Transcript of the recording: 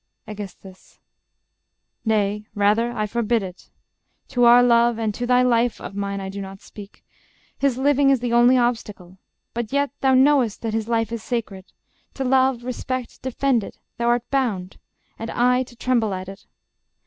Aegis. Nay, rather I forbid it. To our love And to thy life (of mine I do not speak) His living is the only obstacle; But yet, thou knowest that his life is sacred: To love, respect, defend it, thou art bound; And I to tremble at it.